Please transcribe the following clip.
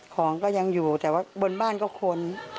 ของก็ยังอยู่แต่ว่าบนบ้านก็คน